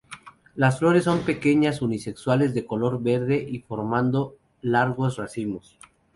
Las flores son pequeñas, unisexuales, de color verde y formando largos racimos.